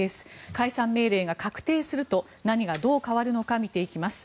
解散命令が確定すると何がどう変わるのか見ていきます。